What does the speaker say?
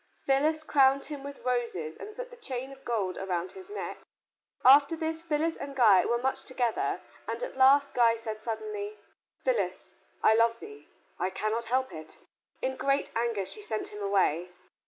Phyllis crowned him with roses and put the chain of gold around his neck. After this Phyllis and Guy were much together and at last Guy said suddenly, "Phyllis, I love thee. I cannot help it." In great anger she sent him away.